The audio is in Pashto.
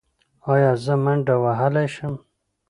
ایا زه منډه وهلی شم؟